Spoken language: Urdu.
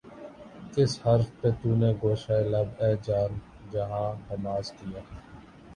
کس حرف پہ تو نے گوشۂ لب اے جان جہاں غماز کیا